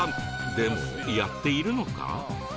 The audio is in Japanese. でもやっているのか？